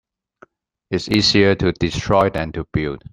It is easier to destroy than to build.